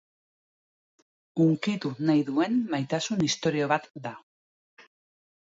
Hunkitu nahi duen maitasun istorio bat da.